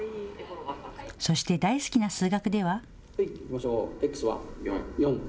そして大好きな数学では。